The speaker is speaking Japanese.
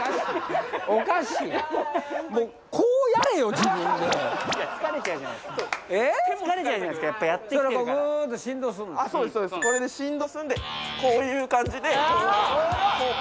これで振動するんでこういう感じでこう。